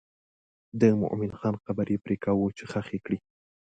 د مومن خان قبر یې پرېکاوه چې ښخ یې کړي.